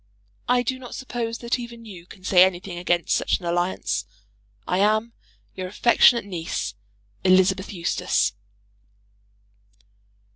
I do not suppose that even you can say anything against such an alliance. I am, your affectionate niece, ELI. EUSTACE.